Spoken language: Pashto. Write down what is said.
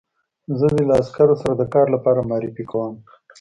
زه دې له عسکرو سره د کار لپاره معرفي کوم